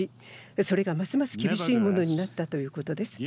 それが、ますます厳しいものになったということです。